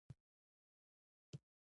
کوتره له زرو مرغانو غوره ده.